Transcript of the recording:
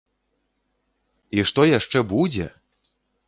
І што яшчэ будзе!